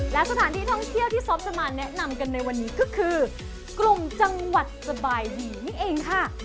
และสถานที่ท่องเที่ยวที่ซอฟจะมาแนะนำกันในวันนี้ก็คือกลุ่มจังหวัดสบายดีนี่เองค่ะ